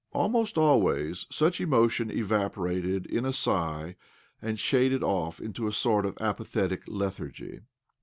Almost always such emotion evaporated in a sigh, and shaded off into a sort of apathetic lethargy.